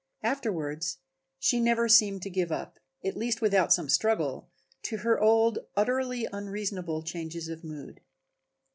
Afterwards she never seemed to give up, at least without some struggle, to her old, utterly unreasonable changes of mood.